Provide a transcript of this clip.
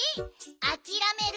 あきらめる？